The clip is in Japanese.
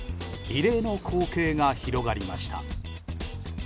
異例の光景が広がりました。